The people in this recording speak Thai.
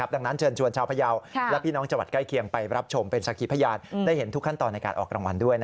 ที่จังหวัดพะเยาว์เป็นสลักสันจร